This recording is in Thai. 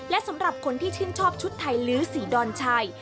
และสำหรับคนที่ชื่นชอบชุดไทยลื้อสีดอนชัย